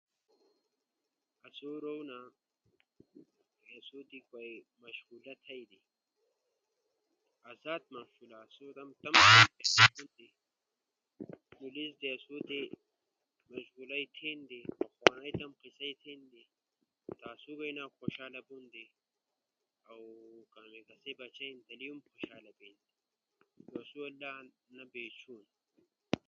اسو رونا اسو تی مشغولا تھئی دی۔ ازاد مشغولا۔ اسو تمو تمو سأت در گوٹے در، شینوتو ست مشغول تھیما۔ پخوانئی قصہ تھیما۔ اسو بئینا کوشالا بیندی اؤ اسو بچی ہم خوشالا بئیندے۔ نو آسو لا انا نی بیچونا۔